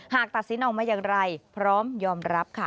ตัดสินออกมาอย่างไรพร้อมยอมรับค่ะ